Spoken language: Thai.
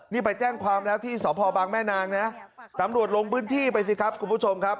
นี่ไปแจ้งความแล้วที่สภบางแม่นางนะตำรวจลงพื้นที่ไปสิครับ